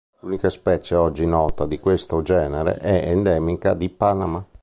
L'unica specie oggi nota di questo genere è endemica di Panama.